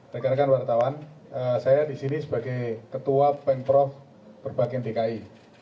rekan rekan wartawan saya disini sebagai ketua pengprov perpakim dki